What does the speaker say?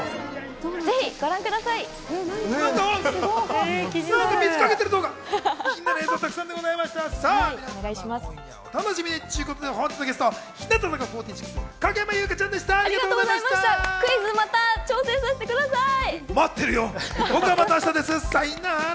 ぜひご覧ください。